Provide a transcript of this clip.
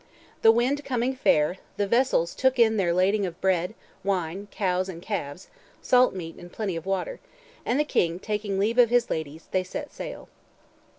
The wind coming fair, the vessels "took in their lading of bread, wine, cows and calves, salt meat and plenty of water," and the King taking leave of his ladies, they set sail.